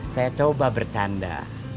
saya coba bercanda